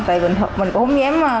tại mình cũng không dám